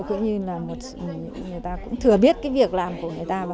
cũng như là người ta cũng thừa biết cái việc làm của người ta